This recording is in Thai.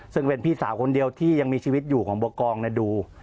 ซึ่งเป็นพี่สาวคนเดียวที่ยังมีชีวิตอยู่ของบัวกองดู